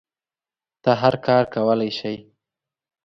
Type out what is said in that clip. ته هر کار کولی شی